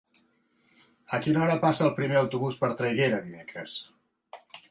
A quina hora passa el primer autobús per Traiguera dimecres?